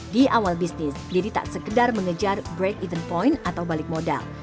di awal bisnis lidi tak sekedar mengejar break even point atau balik modal